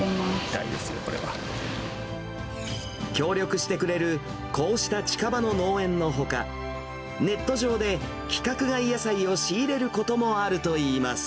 痛いですね、これは。協力してくれるこうした近場の農園のほか、ネット上で規格外野菜を仕入れることもあるといいます。